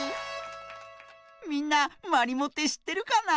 みんなまりもってしってるかな？